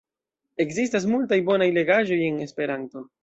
Ekzistas multaj bonaj legaĵoj en Esperanto.